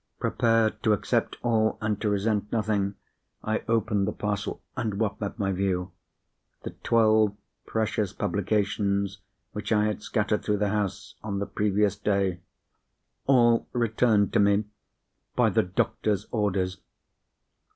Prepared to accept all, and to resent nothing, I opened the parcel—and what met my view? The twelve precious publications which I had scattered through the house, on the previous day; all returned to me by the doctor's orders!